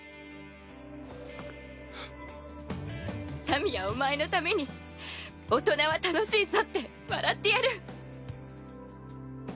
さみやお前のために大人は楽しいぞって笑ってやる。